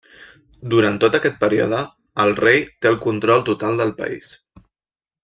Durant tot aquest període, el rei té el control total del país.